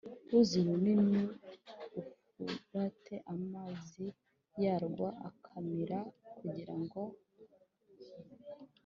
Ruzi runini ufurate amazi yarwo akamira kugira ngo